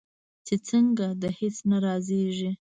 چې څنګه؟ د هیڅ نه رازیږې